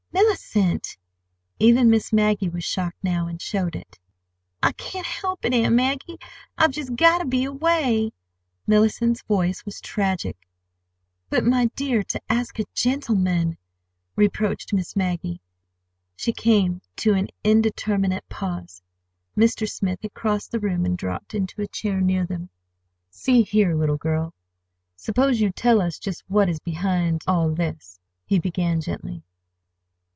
"Mellicent!" Even Miss Maggie was shocked now, and showed it. "I can't help it, Aunt Maggie. I've just got to be away!" Mellicent's voice was tragic. "But, my dear, to ask a gentleman—" reproved Miss Maggie. She came to an indeterminate pause. Mr. Smith had crossed the room and dropped into a chair near them. "See here, little girl, suppose you tell us just what is behind—all this," he began gently.